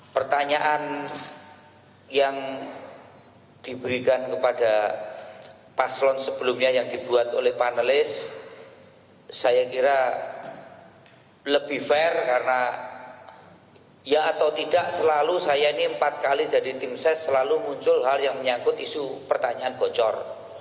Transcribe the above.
pertanyaan yang diberikan kepada paslon sebelumnya yang dibuat oleh panelis saya kira lebih fair karena ya atau tidak selalu saya ini empat kali jadi tim ses selalu muncul hal yang menyangkut isu pertanyaan bocor